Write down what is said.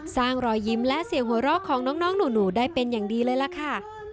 รอยยิ้มและเสียงหัวเราะของน้องหนูได้เป็นอย่างดีเลยล่ะค่ะ